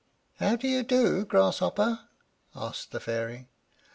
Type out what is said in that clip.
"] "How do you do, Grasshopper?" asked the Fairy.